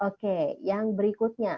oke yang berikutnya